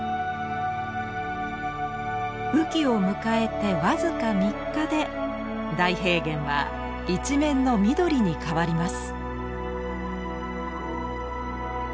雨季を迎えて僅か３日で大平原は一面の緑に変わります。